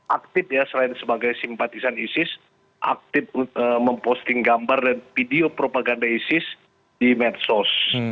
aktif ya selain sebagai simpatisan isis aktif memposting gambar dan video propaganda isis di medsos